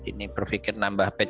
ini berpikir nambah bed